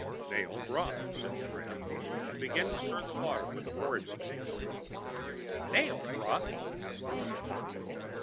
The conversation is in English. "Nail broth," said the tramp, and began to stir the water with the porridge stick. "Nail broth?" asked the woman.